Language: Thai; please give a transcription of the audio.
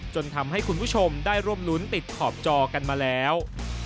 จนทำให้คุณผู้ชมได้ร่วมรุ้นติดขอบจอกันมาแล้ว